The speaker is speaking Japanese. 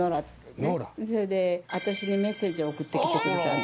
それで私にメッセージを送ってきてくれたんですよ。